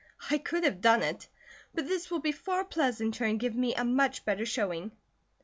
I could have done it; but this will be far pleasanter and give me a much better showing."